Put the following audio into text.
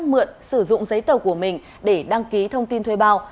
mượn sử dụng giấy tờ của mình để đăng ký thông tin thuê bao